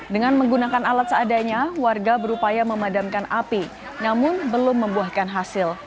dengan menggunakan alat seadanya warga berupaya memadamkan api namun belum membuahkan hasil